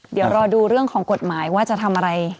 เดี๋ยวรอดูเรื่องของกฎหมายว่าจะทำอะไร